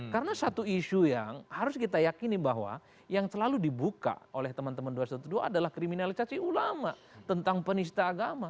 karena satu isu yang harus kita yakini bahwa yang selalu dibuka oleh teman teman dua ratus dua belas adalah kriminalisasi ulama tentang penista agama